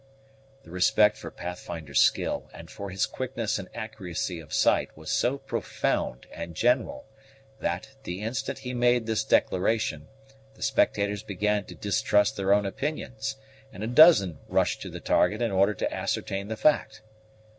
The respect for Pathfinder's skill and for his quickness and accuracy of sight was so profound and general, that, the instant he made this declaration, the spectators began to distrust their own opinions, and a dozen rushed to the target in order to ascertain the fact.